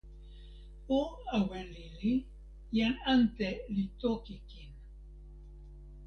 o awen lili. jan ante li toki kin.